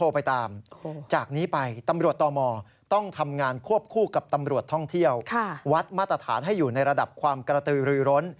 ผ่านให้อยู่ในระดับความกระตือรุยร้น